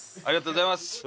ありがとうございます！